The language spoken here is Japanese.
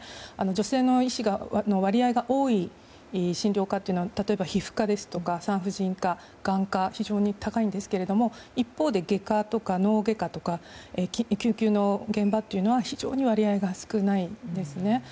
女性の医師の割合が多い診療科というのは例えば皮膚科ですとか産婦人科、眼科は非常に高いんですが一方で外科や脳外科とか救急の現場というのは非常に割合が少ないんですね。